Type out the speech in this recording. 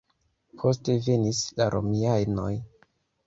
Poste venis la romianoj.